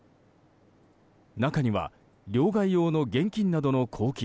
中には両替用の現金などの公金